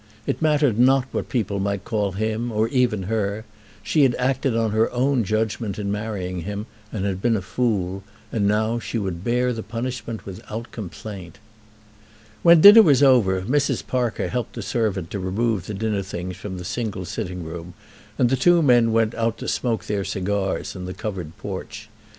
It mattered not what people might call him, or even her. She had acted on her own judgment in marrying him, and had been a fool; and now she would bear the punishment without complaint. When dinner was over Mrs. Parker helped the servant to remove the dinner things from the single sitting room, and the two men went out to smoke their cigars in the covered porch.